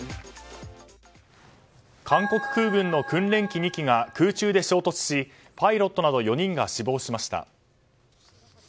韓国空軍の訓練機２機が空中で衝突しパイロットなど４人が死亡しました。